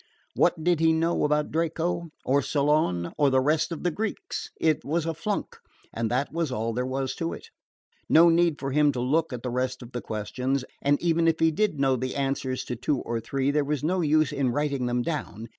What did he know about Draco? or Solon? or the rest of the Greeks? It was a flunk, and that was all there was to it. No need for him to look at the rest of the questions, and even if he did know the answers to two or three, there was no use in writing them down.